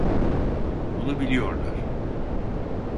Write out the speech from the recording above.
Bunu biliyorlar.